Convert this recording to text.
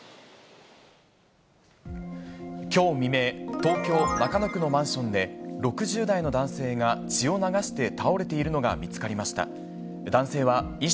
きょう未明、東京・中野区のマンションで、６０代の男性が血を流して倒れているのが見つかりました。